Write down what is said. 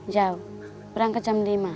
jauh berangkat jam lima